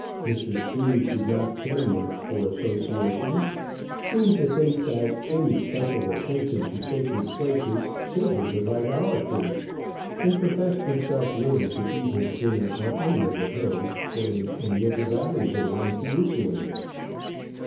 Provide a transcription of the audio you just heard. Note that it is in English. Mr. Cruse did not care much for associations, seemed indeed to think that any special attention to sacred places savoured of idolatry, and professed himself willing to eat his dinner on any of the hills or in any of the valleys round Jerusalem.